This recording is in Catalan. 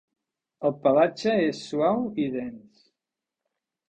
El pelatge és suau i dens.